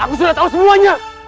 aku sudah tahu semuanya